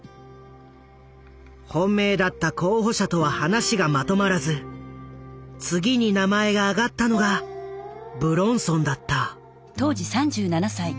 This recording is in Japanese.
本命だった候補者とは話がまとまらず次に名前が挙がったのが武論尊だった。